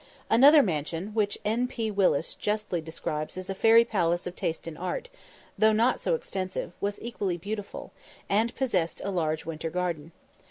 Another mansion, which N. P. Willis justly describes as "a fairy palace of taste and art," though not so extensive, was equally beautiful, and possessed a large winter garden.